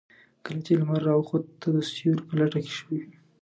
کله چې لمر راوخت تۀ د سيوري په لټه کې شوې.